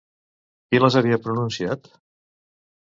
Qui les havia pronunciat?